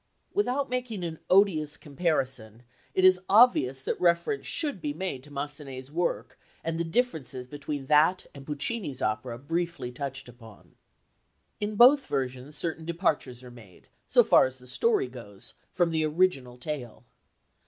Without making an "odious" comparison it is obvious that reference should be made to Massenet's work and the differences between that and Puccini's opera briefly touched upon. In both versions certain departures are made, so far as the story goes, from the original tale.